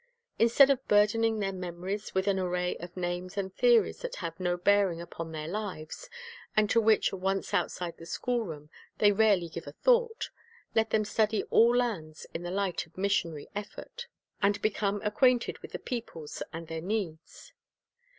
Instead of burdening their memories with an array of names and theories that have no bearing upon their lives, and to which, once outside the schoolroom, they rarely give a thought, let them study all lands in the light of missionary effort, and become acquainted with the peoples and their needs.